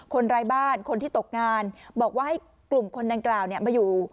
ไร้บ้านคนที่ตกงานบอกว่าให้กลุ่มคนดังกล่าวมาอยู่